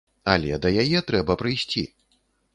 Але да яе трэба прыйсці.